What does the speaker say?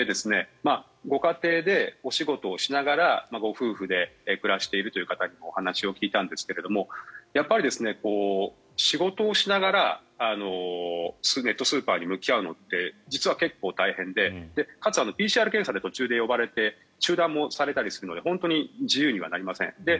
ご家庭でお仕事をしながらご夫婦で暮らしている方にもお話を聞いたんですがやっぱり、仕事をしながらネットスーパーに向き合うのって実は結構大変でかつ、ＰＣＲ検査で途中で呼ばれて中断もされたりするので本当に自由にはなりません。